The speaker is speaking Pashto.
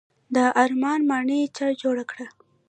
دارالامان ماڼۍ چا جوړه کړه؟